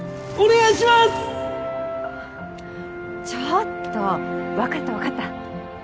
ちょっとわかったわかった。